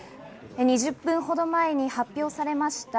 ２０分ほど前に発表されました。